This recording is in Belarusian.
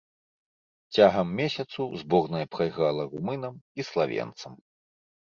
Цягам месяцу зборная прайграла румынам і славенцам.